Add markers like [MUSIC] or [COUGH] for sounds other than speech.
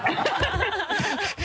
ハハハ [LAUGHS]